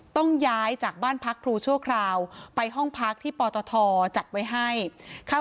ต้องย้ายจากบ้านพักครูชั่วคราวไปห้องพักที่ปตทจัดไว้ให้เข้า